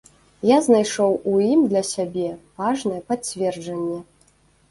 Я знайшоў у ім для сябе важнае пацверджанне.